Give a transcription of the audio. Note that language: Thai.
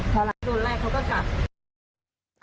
ใช่โดนไล่เขาก็กลับ